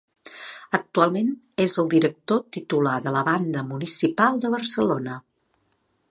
Actualment és el director titular de la Banda Municipal de Barcelona.